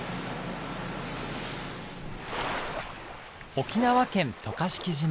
沖縄県渡嘉敷島。